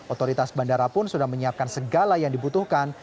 otoritas bandara pun sudah menyiapkan segala yang dibutuhkan